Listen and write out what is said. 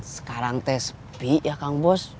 sekarang teh sepi ya kang bos